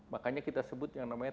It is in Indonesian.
makanya kita sebut yang namanya